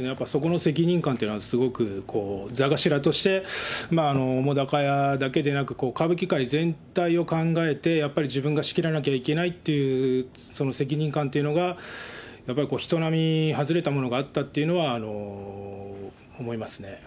やっぱりそこの責任感というのはすごく座頭として、澤瀉屋だけでなく、歌舞伎界全体を考えて、やっぱり自分が仕切らなきゃいけないっていう、その責任感というのが、やっぱり人並外れたものがあったってのは、思いますね。